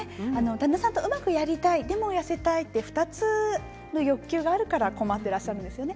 旦那さんとうまくやりたいでも痩せたいという２つの欲求があるから困ってらっしゃるんですよね。